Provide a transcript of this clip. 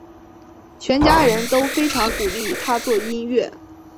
全家人都非常鼓励他做音乐。